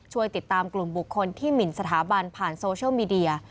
ช่วยติดตามกลุ่มบุคคลที่หมินสถาบันผ่านโซเชียลมีเดีย